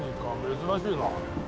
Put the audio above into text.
珍しいな。